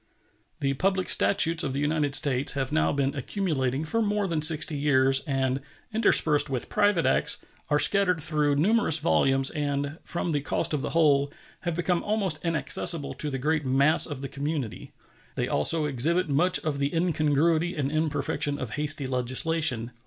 The public statutes of the United States have now been accumulating for more than sixty years, and, interspersed with private acts, are scattered through numerous volumes, and, from the cost of the whole, have become almost inaccessible to the great mass of the community. They also exhibit much of the incongruity and imperfection of hasty legislation.